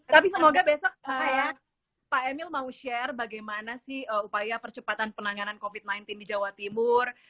tapi semoga besok ya pak emil mau share bagaimana sih upaya percepatan penanganan covid sembilan belas di jawa timur